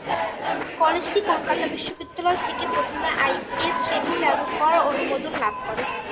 কলেজটি কলকাতা বিশ্ববিদ্যালয় থেকে প্রথমে আই.এ শ্রেণি চালু করার অনুমোদন লাভ করে।